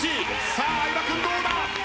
さあ相葉君どうだ？